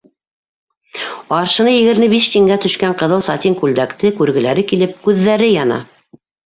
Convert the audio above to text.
Аршыны егерме биш тингә төшкән ҡыҙыл сатин күлдәкте күргеләре килеп күҙҙәре яна.